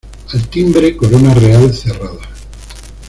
Al timbre Corona Real cerrada.